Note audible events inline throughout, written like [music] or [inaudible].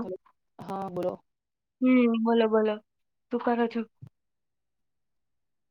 હાલો, હા બોલો. હમ્મ, બોલો-બોલો. શું કરો છો?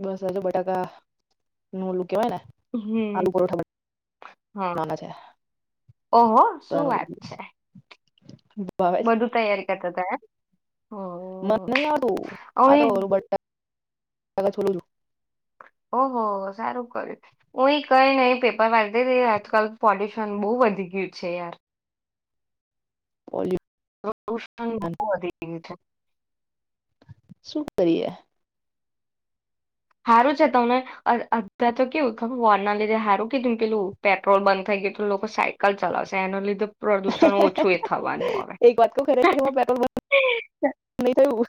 બસ આ જો બટાકા નું ઓલું કેવાય ને હમ્મ, આલુ પરોઠા હા. બનાવાના છે ઓહો તો શું એનું વાત છે. બધું તૈયારી કરતા [unintelligible] હું એ- [inaudible] કા છોલું છું. ઓહો, સારું કર્યું. હુંઈ કઈ નહીં પેપર વાંચતી તી, આજકાલ પોલ્યુશન બહુ વધી ગયું છે યાર. પોલ્યુ પ્રદુષણ બોહ વધી ગયું છે શું કરીએ? હારું છે તમને અધા તો કેવું તમે વોરના લીધે હારું કીધું પેલું પેટ્રોલ બંધ થઈ ગયું તો લોકો સાયકલ ચલાવશે એના લીધે પ્રદુષણ ઓછું એ થવાનું હવે એક વાત કહુ ખરેખર પેટ્રોલ બંધ નઈ થયું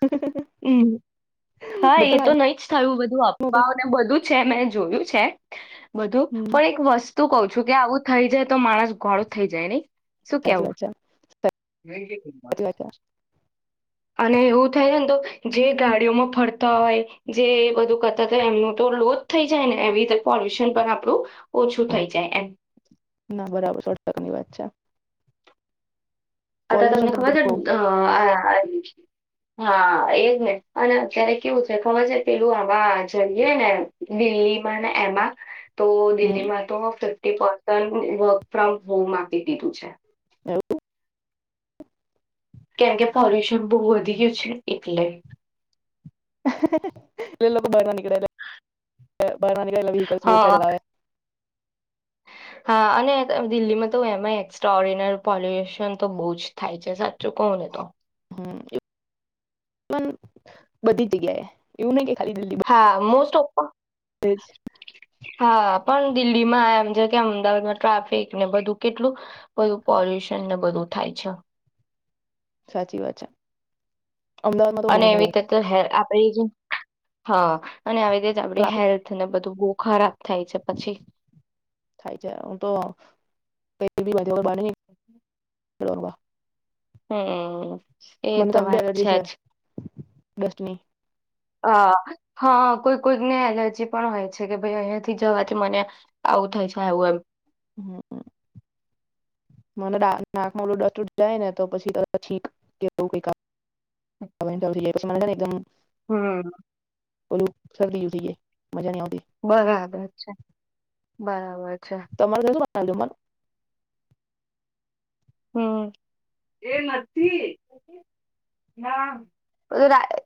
હમ હા એ બધા તો લાઈનમાં નઈ જ થયું બધું ઉભા અફવાને બધું છે મે જોયું છે. બધું હમ પણ એક વસ્ત તું કઉ છું કે આવું થઈ જાય તો માણસ ગોડો થઈ જાય નહી. શું સાચી કેવું? વાત છે સાચી વાત છે અને એવું થાય ને તો જે ગાડીઓમાં ફરતા હોય જે બધું કરતા હોય એમનું તો લોજ થઈ જાય ને એવી રીતે પોલ્યુશન પણ આપણું ઓછું થઈ જાય એમ. ના બરાબર સો ટકા ની વાત છે. અત્યાં પોલ્યુશન તમને તો ખબર બઉ છે અ અરે હા એજ ને અને અત્યારે કેવું છે ખબર જે પેલું આવા જઈએ ને દિલ્હીમાં ને એમાં તો હમ દિલ્હીમાં તો વ પર્સન વર્ક ફ્રોમ હોમ આપી દીધું છે. એવું? કેમ કે પોલ્યુશન બહુ વધી ગયું છે એટલે. [unintelligible] હા [unintelligible] હા અને દિલ્હીમાં તો એમાં એક્સ્ટોઓર્ડિનલ પોલ્યુશન તો બહુ જ થાય છે, સા ચુ કહોને તો. પન બધી જગ્યા એ. એવું નહીં કે ખાલી દિલ્હી હા. મોસ્ટ ઓફ બધે જ [unintelligible] હા. પણ દિલ્હીમાં આમ જે કે અમદાવાદમાં ટ્રાફિક ને બધું કેટલું બધું પોલ્યુશનને બધું થાય છે. સાચી વાત છે. અમદાવાદમાં તો અને એવી હો રીતે તો [unintelligible] [unintelligible] હા. અને આવી રીતે આપડી ટ્રાફિક હેલ્થ ને બધું બોવ ખરાબ થાય છે પછી. થાય છે. હું તો [unintelligible] હમ્મ. મમતા બેનર્જી છે ડસ્ટની. હ હા કોઈ કોઈને એલર્જી પણ હોય છે. કે, ભાઈ અહિયાયાથી જવાથી મને આવું. થાય છે. આવું એમ. હમ હમ મ નાકમાં ઓલું જાય ને તો પછીીક કેવ ક હમ ઓું શ લ ઉઠીએ. બરાબર છે બરાબર છે તમારે કું અંધ પણર હ એ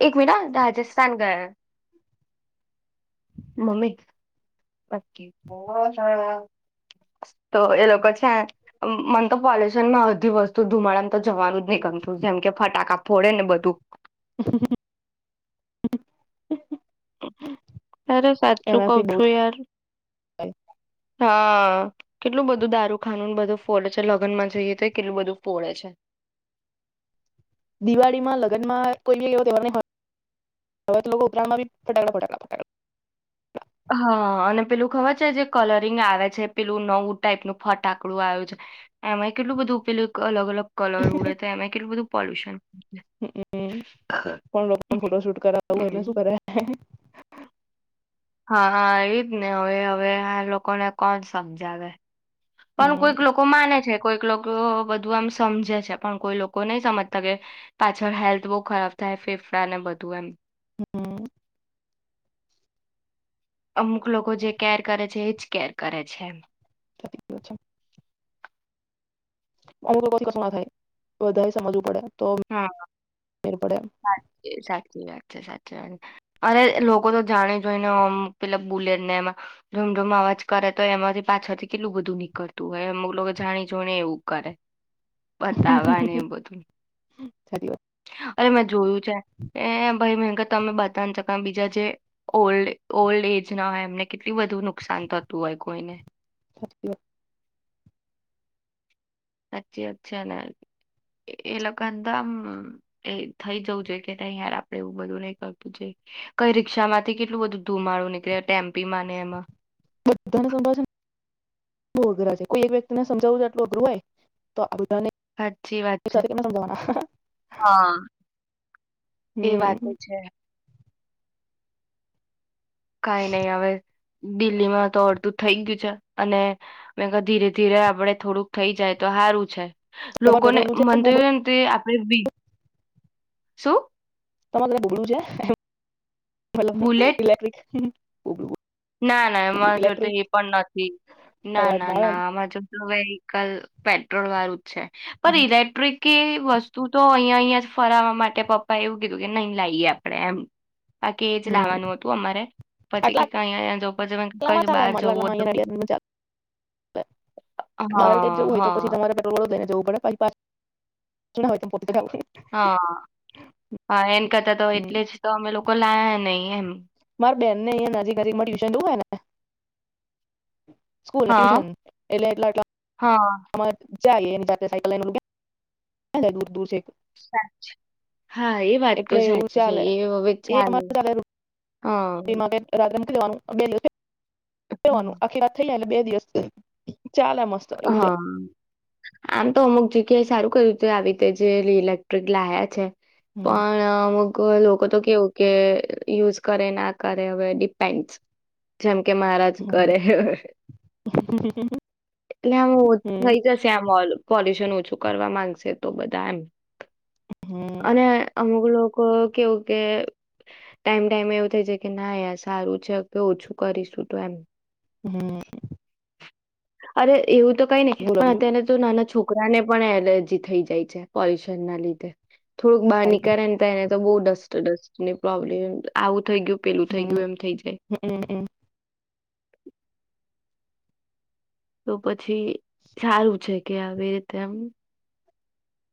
એક મિ રાજસ્થાન ગયા મમ્મી તો એ લોકો છે મલે માં બધી વસ્તુ ધુમાડામાં તો જવાનું જ નહી ગમતું જેમ કે ફટાકા ફોડે ને બધું. હ હ તારે સાચું કઉ એનાથી બહુ છું યાર થાય હા કેટલું બધું દારૂખાનું બધું ફોડે છે લગ્ન માં જોઈએ તો કેટલું બધું ફોડે છે દિવાળીમાં લગ્ન માં કોઈ બી તહેરવે, ઉપરાણ માં બી ફટાકડા ફટાકલા ફટક. હા અને પેલું ખબર છે. જે કલરિંગ આવે છે પેલું નવું ટાઈપનુંું ફટાકડું આવ્યું છે. એમાં કેટલું, બધું પેલું અલગ અલગ. કલર ઉડે તો એમે કેટલું બધું પોલ્યુશન હ કો લોકો ફોટો શૂટ કરાવવું એટલે હમ શું? કરે હા એવીજ ને હવે હવે આ લોકોને કોણ સમજાવે પણ હમ કોઈક લોકો માને છે. કોઈક લોકો બધું એમ સમજે છે, પણ કોઈ, લોકો નહી સમજતા કે પાછળ હેલ્થ બહુ ખરાબ થાય ફેફડાને બધું એમ. હમ અમુક લોકો જે કેર કરે છે એ જ કેર કરે છે એમ સાથી છે અમુ લોકોમાં થાય બધા સમજવું પડે. તો હમ મેર પડે સાચી સાચી વાત છે સાચી અરે લોકો તો જાણી જોઈ. નેમ પેલ બોલે ને એમાં રમધૂમ અવાજ કરે તો, એમાંથી પાછળથી કેટલું બધું નીકળતું. હોય અમુક લોકો જાણી જોઈને એવું કરે બતાવાને બધું ધરીવાદ અરે મે જોયું એ બહી મી તમે બતા શક બીજા જે ઓ ઓલ્ડ એજ ના હોય એમને કેટલી બધુ નુકસાન થતું હોય કોઈને થકો સાચચી વાતછી એ લોકોદ આમ એ થઈ. જવું જોઈએ કે, યાર આપડે એવું બધું નઈ કરતું જોઈએ કઈ રિક્ષા માંથી કેટલું બધું ધુમાડું નીકળે ટેમ્પી માં ને એમાં. બધાને સમાવે છે ને બ અઘરા છે કોઈ એક વ્યક્તિને સમજાવું આટલું અઘરું હોય તો આધું સાચી વાત છે હા એ વાતો હમ છે કઈ નઈ હવે દિલ્હીમાં તો અડતું થઈ ગયું છે. અને મે ધીરે ધીરે આપડે થોડુંક થઈ જાય તો સારું છે. તમારા ઘરે લોકોને ઓલું છે બોબડું [unintelligible] તે આપણે બી શુ તમારે ઘરે બોગડું છે મતલબ બુલેટ ઇલેક્ટ્રિક [inaudible] ના ના બોબડું એમાં જોતો ઇલેક્ટ્રિક એ પણ નથી ના અવાજ ના આવે ના ને આમાં જો વેહીકલ પેટ્રોલ વારું છે પણ ઇલેક્ટ્રિક કે વસ્તુ તો અહિયાયા અહિયાં જ ફરવા માટે પપ્પા એવું કીધું કે નહી લાઈએ આપડે એમ આ કે એ જ હમ લાવવાનું હતું અમારે પછી કે [unintelligible] કઈ અહીંયા જો પછી મેં કીધું કઈ બહાર જવું હોય તો હા પછી હા તમારે પેટ્રોલ લઈને જવું પડે પછી પાછું ના હોય તો પોતે જવું હા હા એન કરતા તો હમ એટલે જ તો અમે લોકો લાયા ની એમ મારા બેન ને અહિયા નજીક નજીકમાં ટ્યુશન જોવું હોય ને સ્કૂલ હા ટ્યુશન એટલે એટલા હા તમા જાય એની સાથે સાયકલ લાય દર દૂર છે સા હા એ વાત તો એટલે એવું સાચી છે ચાલે એ હવે ચલે એમાં કંઈ રાધન લેવાનું બે [unintelligible] કરવાનું આખી રાત થઈ જાય ને બે દિવસ [unintelligible] મસ્ત એવું છે હા આમ તો અમુક જગ્યાએ સારું કયુ તે આવી તે જે ઇલેક્ટ્રિક લાયા છે હમ પણ ક લોકો તો કેવું કે યુઝ કરે ના કરે હવે ડિપેન્ડ્સ જેમ કે મારાજ હમ કરે. એટલે આમ ઓછ હમ થઈ જશે આમ ઓલું પોલ્યુશન ઓછું કરવા માંગશે તો બધા એમ. હમ અને અમુક લોકો કેવું કે ટાઈમ ટાઈમ એવું થઇ જાય કે ના યાર સારું છે કે ઓછું કરીશું તો એમ. હમ્મ. અરે એવું તો કંઈ ની પણ બીજું અત્યાર ના તો નાના છોક છોકરાને પણ એલર્જી થઈ જાય છે પોલ્યુશનના લીધે. થોડુંક બહાર થાય જ નીકેળે ને તેણે બહુ ડસ્ટ-ડસ્ટ ની પ્રોબ્લેમ, આવું થઈ ગયું પેલું થઈ હમ ગયું, એમ થઈ જાય. હમ તો પછી સારું છે કે આવી રીતે એમ,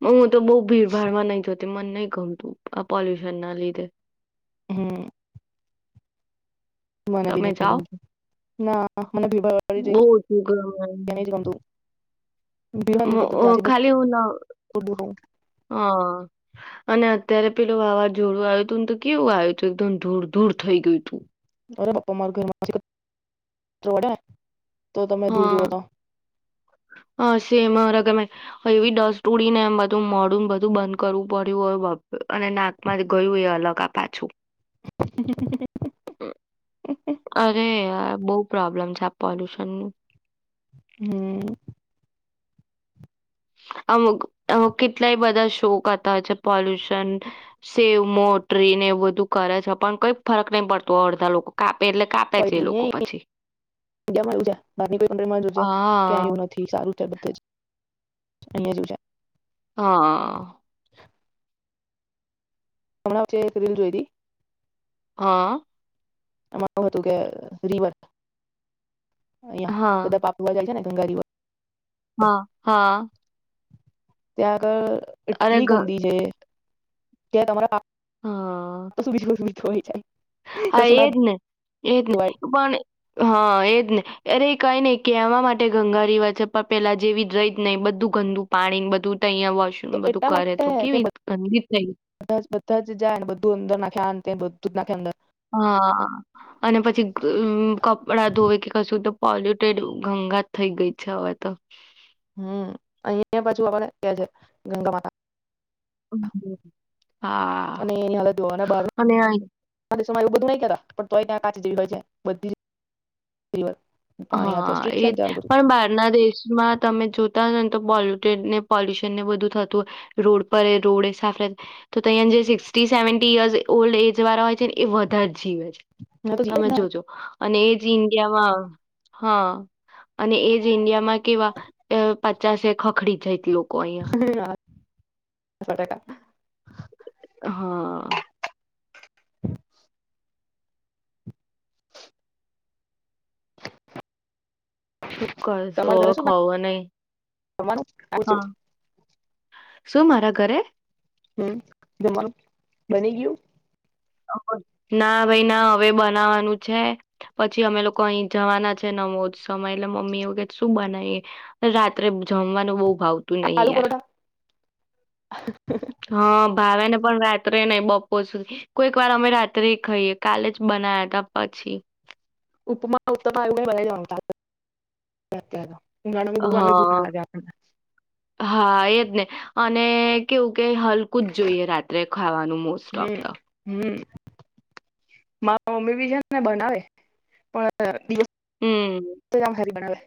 હું તો બહું ભીડભાડમાં નહીં જતી, મન નહી ગમતું, આ પોલ્યુશન ના લીધે. હમ્મ. તમે નહી જાઓ? ગમતું ના મને ભીડ વાળી બહુ જગ્યા [unintelligible] નહી ગમતું ભીડ હોય ને તો અહ અહ ત્યાંથી બસ ખાલી હું ન, દૂર દૂર હોઉં હા અને અત્યારે પેલુ વાવાઝોડું આયું તું ને તો કેવું આયું તું, એકદમ ધૂળ-ધૂળ થઈ ગયું તું. અરે બાપા મારા ઘરમાં હા, હા, સેમ મારે [unintelligible] એવી ડસ્ટ ઉડીને એમ બધું મોઢુંન બધું બંધ કરવું પડ્યું [unintelligible] અને નાકમાં ગયું એ અલગ આ પાછું. [inaudible] અરે. આ બહુ પ્રોબ્લેમ છે આ પોલ્યુશન નું. હમ્મ. આવ આવા કેટલાય બધા શો કરતા હોય છે પોલ્યુશન, સેવ મોટરીન, એ બધું કરે છે, પણ કઈ ફરક નહી પડતો અડધા લોક, કા કંઈ નહીં [unintelligible] ક્યાંય હા એવું નથી, સારું છે બધે જ. અહિયાં [unintelligible] હા. હમણાં વે એક રીલ જોઈ હતી હા. આમાંરું હતું કે રિવટ. અહં હા બધા પાપુ જાય છે ને. સંંગારી વા. હા હા ત્યાગળ. અરે ઇટલી ઘ ગદી છે. ત્યાં હા તમારા [unintelligible] હોય જય હા એજ ને એજ ને ધોવાય પણ હા એજ ને અરે કઈ નને કે એવા માટે ગંગા રિવર છે પણ પેલા જેવી જ રહી જ નહી બધું ગંદુ પાણી બધું તહીંયા વોશરૂમ તો બધું એટલા કરે માટે તો કે કેવી ગંદી જ થઈ બધા બધા જ જાય બધું અંદર નાખે આ ને તે ને બધું - નાંખે અંદર હા અને પછી કપડા ધોવે કે કશું તો પોલ્યુટેડ ગંગા થઈ ગઈ છે હવે તો હમ અહિયાંયા પાછુ આપણે કયા છે ગંગા માતા [inaudible] અને હ ધોવાના બાર અને [inaudible] બાર એવું બધું નહી કરતા પણ તોય ત્યાં કાચ હો છે બધી પાણી હા આ સ્ટ્રીક છે એ ને ત્યાં પણ બહારના દેશમાં તમે જોતા હતા પોલ્યુટેડ ને પોલ્યુશન ને બધું થતું હોય રોડ પર એ રોડ એ સાફ તો તહીં જે sixty seventy years old age વાળ હોય છે ને એ વધારે જ જીવે છે બધું તો જીવે જ તમે ને જોજો અને એ ઇન્ડિયા માં હા અને એજ ઇન્ડિયામાં કેવા પચાસ ખખડી જાય લોકો અહિયાં [unintelligible] [unintelligible] હા. શ કરશું તમારે હવે ઘરે શું ખાવ નહી બનવાનું આવું [inaudible] છે હા. શું મારા ઘરે હમ જમવાનું બની ગયું. ના ભાઈ ના હવે બનાવાનું છે પછી અમે લોકો અહી જવાના છે નમો જ સમય એટલે મમ્મી એવું કે શું બનાવીએ રાત્રે જમવાનું બહુ ભાવતું નહી આલુ યાર પરોઠા [inaudible] હા ભાવને પણ રાત્રે નહી બપોર સુધી કોઈક વાર અમે રાત્રે ખાઈએ કાલે જ બનાયા હતા પછી ઉપમા ઉતમા એવુ બનાઇ દેવાનું. ઉનાણામાં બઉ અ ભૂખ હા ના લાગ્યા આપને હા એજ ને અને કેવું કે હલકું જ જોઈએ રાત્રે ખાવાનું મોસ્ટ ઓફ તો હમ-હમ મા મમ્મી બી છે ને બનાવે પણ હમ તો [unintelligible] બનાવે [unintelligible]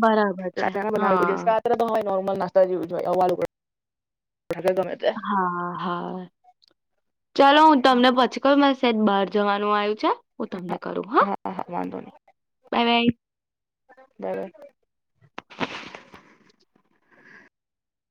બરાબર છે રાત્ર [unintelligible] બનાવે હા રાત્રે. નોર્મલ નાસ્તા જેવું [unintelligible] તે હા હા. ચાલો હું તમને પછી કરું મારે બહાર જવાનું આયુ અચા હું તમને કરું, હા બાય બાય. દવે.